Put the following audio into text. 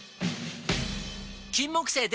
金木犀でた！